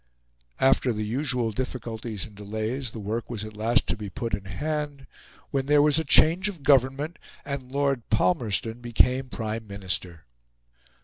After the usual difficulties and delays the work was at last to be put in hand, when there was a change of Government and Lord Palmerston became Prime Minister.